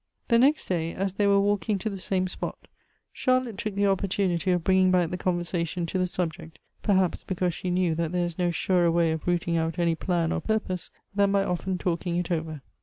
The next day, as they were walking to the same spot, Charlotte took the opportunity of bringing back the conver sation to the subject, perhaps because she knew that there is no surer way of rooting out any plan or purpose, than by often talking it over.